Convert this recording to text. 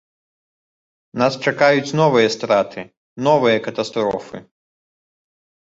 Нас чакаюць новыя страты, новыя катастрофы.